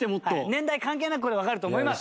年代関係なくこれわかると思います。